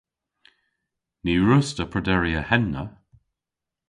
Ny wruss'ta prederi a henna.